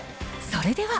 それでは。